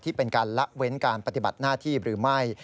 เป็นการละเว้นการปฏิบัติหน้าที่หรือไม่